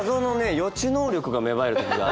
予知能力が芽生える時があって。